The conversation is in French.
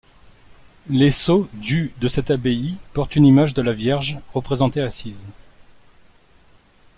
Les sceaux du de cette abbaye portent une image de la Vierge représentée assise.